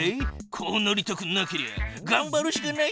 こうなりたくなけりゃがんばるしかないじゃろ？